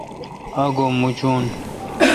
آگو مچون۔